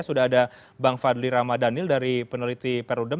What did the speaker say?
sudah ada bang fadli rama danil dari peneliti perudem